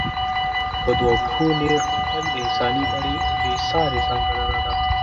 په دوو پښو نېغ تګ د انساني بڼې بېسارې ځانګړنه ده.